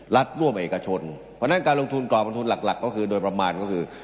รัฐร่วมบัตรเอกชนพอแล้วการลงทุนกรรมลักก็คือโดยประมาณก็คือ